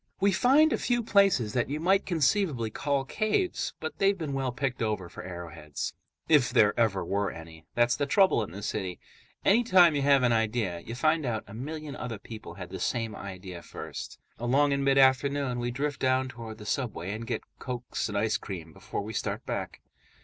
We find a few places that you might conceivably call caves, but they've been well picked over for arrowheads, if there ever were any. That's the trouble in the city: anytime you have an idea, you find out a million other people had the same idea first. Along in mid afternoon, we drift down toward the subway and get cokes and ice cream before we start back.